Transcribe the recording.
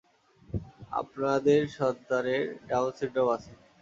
আপনাদের সন্তানের Down syndrome আছে।